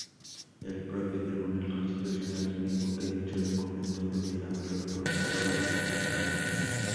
El propio Tribunal Constitucional negó que dicho documento tuviera valor probatorio alguno.